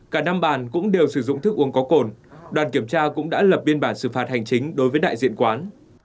cả năm bàn cũng đều sử dụng thức uống có cồn đoàn kiểm tra cũng đã lập biên bản xử phạt hành chính đối với đại diện quán